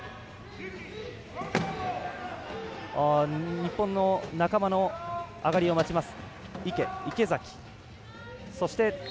日本の仲間の上がりを待ちます。